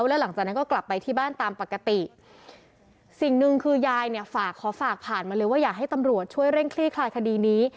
แล้วหลังจากนั้นก็กลับไปที่บ้านตามปกติสิ่งหนึ่งคือยายเนี่ยฝากขอฝากผ่านมาเลยว่าอยากให้ตำรวจช่วยเร่งคลี่คลายคดีนี้